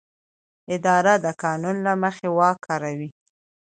اداره د قانون له مخې واک کاروي.